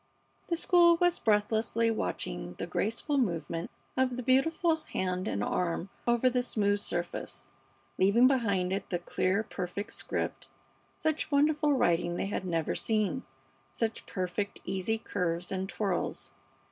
The school was breathlessly watching the graceful movement of the beautiful hand and arm over the smooth surface, leaving behind it the clear, perfect script. Such wonderful writing they had never seen; such perfect, easy curves and twirls.